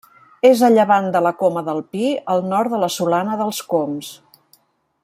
És a llevant de la Coma del Pi, al nord de la Solana dels Cóms.